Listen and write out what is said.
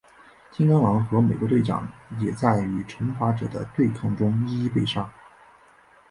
金刚狼和美国队长也在与惩罚者的对抗中一一被杀。